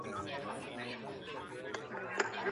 ایا تکړه پلورونکي تور ممیز صادروي؟